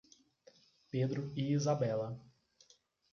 Pedro e Isabella